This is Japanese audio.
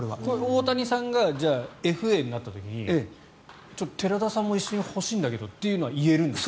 大谷さんがＦＡになった時に寺田さんも一緒に欲しいと言う可能性もあるんですか。